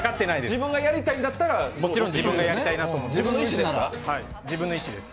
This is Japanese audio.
自分がやりたいんだったらもちろん自分がやりたいなと思って、自分の意思です。